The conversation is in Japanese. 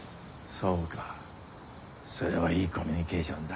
それはいいコミュニケーションだ。